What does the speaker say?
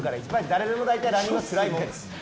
誰でもランニングはつらいです。